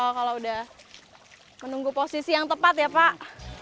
oh kalau sudah menunggu posisi yang tepat ya pak